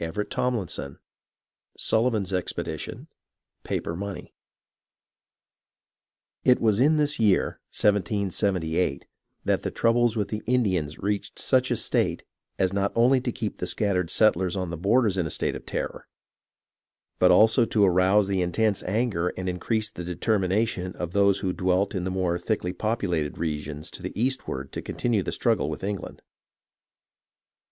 CHAPTER XXV Sullivan's expedition, paper money It was in this year, 1 778, that the troubles with the Indians reached such a state as not only to keep the scattered settlers on the borders in a state of terror, but also to arouse the intense anger and increase the determination of those who dwelt in the more thickly populated regions to the eastward to continue the struggle with England.